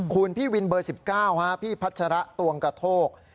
คูณพี่วินเบอร์สิบเก้าฮะพี่พัชระตวงกระโทก